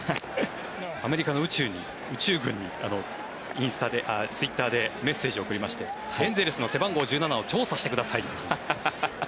アメリカの宇宙軍にツイッターでメッセージを送りましてエンゼルスの背番号１７を調査してくださいと。